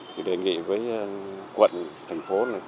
thì đề nghị với quận thành phố